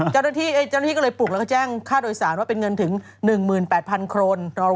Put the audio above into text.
เจ้าหน้าที่เจ้าหน้าที่ก็เลยปลูกแล้วก็แจ้งค่าโดยสารว่าเป็นเงินถึง๑๘๐๐คน